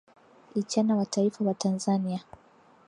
ichana wa taifa wa tanzania